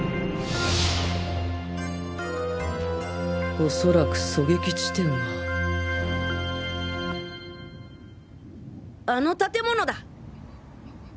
おそらく狙撃地点はあの建物だ！